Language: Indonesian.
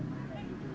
nah dia nih